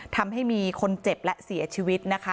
ทำให้มีคนเจ็บและเสียชีวิตนะคะ